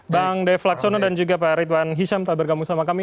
bang dev laksono dan juga pak ridwan hisham telah bergabung sama kami